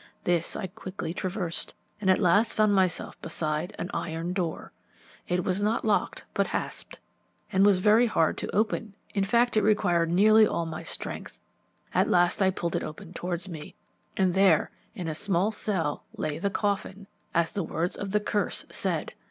This I quickly traversed, and at last found myself beside an iron door. It was not locked, but hasped, and was very hard to open; in fact, it required nearly all my strength; at last I pulled it open towards me, and there in a small cell lay the coffin, as the words of the curse said.